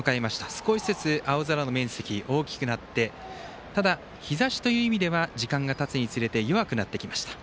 少しずつ青空の面積大きくなってただ、日ざしという意味では時間がたつにつれて弱くなってきました。